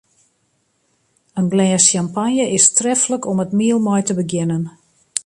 In glês sjampanje is treflik om it miel mei te begjinnen.